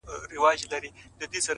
زما د ژوند هره شيبه او گړى _